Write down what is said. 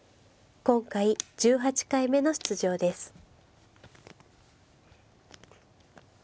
今回１８回目の出場です。